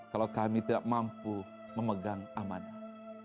kalau kami tidak mampu memegang amanah